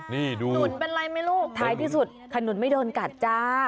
นี่ดูหนุนเป็นไรไหมลูกท้ายที่สุดขนุนไม่โดนกัดจ้า